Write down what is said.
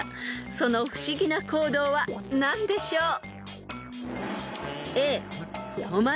［その不思議な行動は何でしょう］